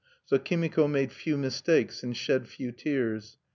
So Kimiko made few mistakes and shed few tears.